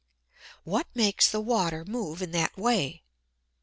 What makes the water move in that way?